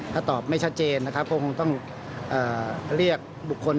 ถ้าตอบไม่ชัดเจนคงคงต้องเรียกบุคคล